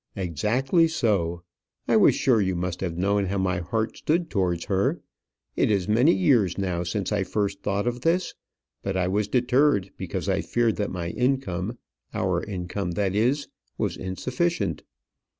"Exactly so. I was sure you must have known how my heart stood towards her. It is many years now since I first thought of this; but I was deterred, because I feared that my income our income, that is was insufficient."